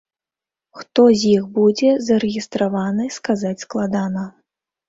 Хто з іх будзе зарэгістраваны, сказаць складана.